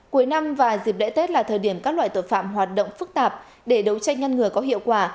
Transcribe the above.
cuối năm và dịp lễ tết là thời điểm các loại tội phạm hoạt động phức tạp để đấu tranh ngăn ngừa có hiệu quả